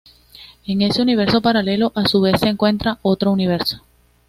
En ese universo paralelo, a su vez se encuentra otro universo.